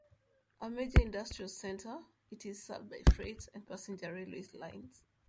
A major industrial centre, it is served by freight and passenger railway lines.